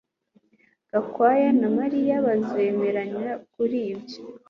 Gakwaya na Mariya bazemeranya kuri ibyo